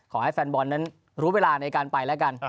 ขอให้แฟนบอนดูเวลาหลังไป